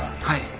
はい。